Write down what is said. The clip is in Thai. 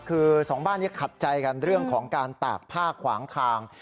คือสองบ้านนี้ขัดใจกันเรื่องของการตากผ้าขวางทาง